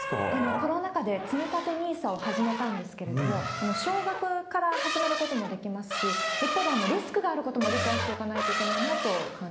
コロナ禍で、つみたてＮＩＳＡを始めたんですけれども、少額から始めることもできますし、一方でリスクがあることも理解しておかないといけないなと感じ